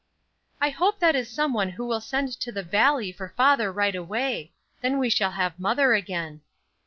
"I hope that is some one who will send to the Valley for father right away; then we shall have mother again."